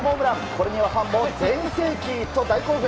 これにはファンも全盛期！と大興奮。